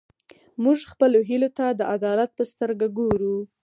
موږ خپلو هیلو ته د عدالت په سترګه ګورو.